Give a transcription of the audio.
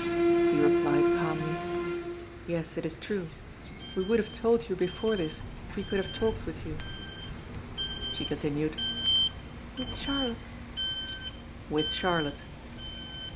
He replied calmly: "Yes, it is true. We would have told you before this if we could have talked with you." She continued: "With Charlotte?" "With Charlotte."